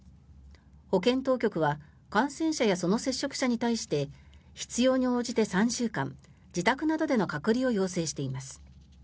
保健当局は感染者やその接触者に対して必要に応じて３週間自宅などでの隔離を要請しています。